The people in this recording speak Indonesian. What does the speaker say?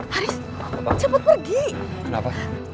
haris cepet pergi kenapa